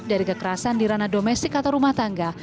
dari kekerasan di ranah domestik atau rumah tangga